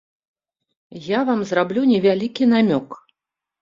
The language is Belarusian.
Я вам зраблю невялікі намёк.